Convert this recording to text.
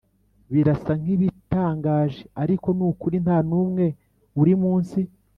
birasa nkibitangaje, ariko nukuri ntanumwe uri munsi.